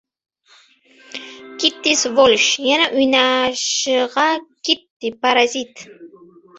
— Kitti, svolish! Yana uynashig‘a kitti, parazit.